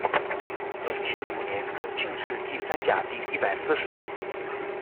隆庆五年，登进士第三甲第一百四十名。